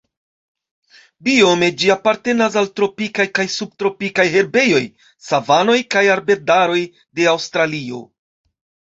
Biome ĝi apartenas al tropikaj kaj subtropikaj herbejoj, savanoj kaj arbedaroj de Aŭstralio.